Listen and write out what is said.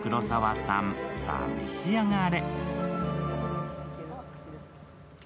さあ召し上がれ。